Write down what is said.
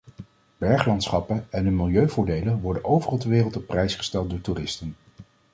Berglandschappen en hun milieuvoordelen worden overal ter wereld op prijs gesteld door toeristen.